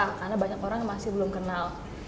karena banyak orang yang masih belum kenal